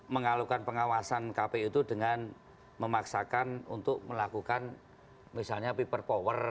mengalukan pengawasan kpu itu dengan memaksakan untuk melakukan misalnya people power